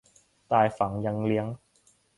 ตายฝังยังเลี้ยง